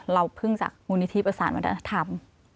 เราเพิ่งจากมูลนิธีประสานวัตนธรรม